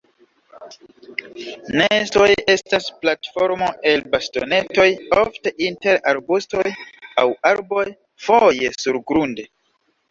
Nestoj estas platformo el bastonetoj, ofte inter arbustoj aŭ arboj, foje surgrunde.